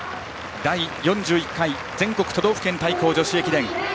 第４１回全国都道府県対抗女子駅伝。